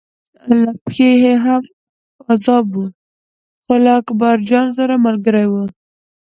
له پښې یې هم پازاب و خو له اکبرجان سره ملګری و.